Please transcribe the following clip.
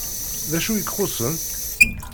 Dacu i ixuṣṣen?